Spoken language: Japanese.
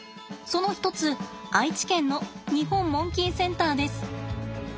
その一つ愛知県の日本モンキーセンターです。